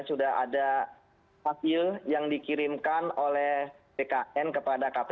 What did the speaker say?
sudah ada hasil yang dikirimkan oleh bkn kepada kpk